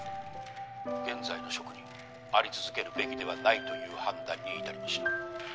現在の職にあり続けるべきではないという判断に至りました。